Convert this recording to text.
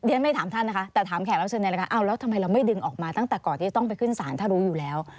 เดี๋ยวนั้นไม่ถามท่านนะคะแต่ถามแขกเราซึ่งในละครับอ้าวแล้วทำไมเราไม่ดึงออกมาตั้งแต่ก่อนที่ต้องไปขึ้นสารถ้ารู้อยู่แล้ว